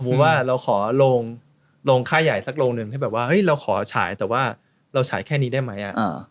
เพราะว่าเราขอโรงค่าใหญ่สักโรงหนึ่งให้แบบว่าเราขอฉายแต่ว่าเราฉายแค่นี้ได้ไหม